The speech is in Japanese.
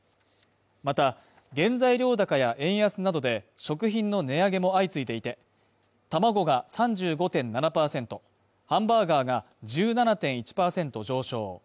また、原材料高や円安などで食品の値上げも相次いでいて、卵が３５．７％、ハンバーガーが１７．１％上昇。